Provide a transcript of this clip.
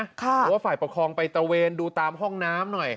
เพราะว่าฝ่ายปกครองไปตระเวนดูตามห้องน้ำหน่อย